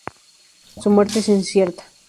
Su muerte es incierta.